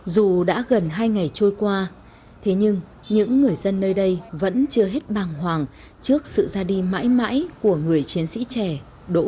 dù đã gần hai ngày trôi qua thế nhưng những người dân nơi đây vẫn chưa hết bàng hoàng trước sự ra đi mãi mãi của người chiến sĩ trẻ đỗ